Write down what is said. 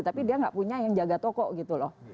tapi dia nggak punya yang jaga toko gitu loh